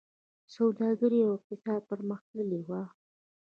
سوداګري او اقتصاد پرمختللی و